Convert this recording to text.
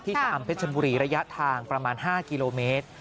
ชะอำเพชรบุรีระยะทางประมาณ๕กิโลเมตร